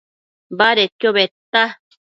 Badedquio bëdta